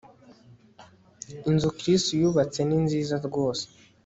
Inzu Chris yubatse ni nziza rwose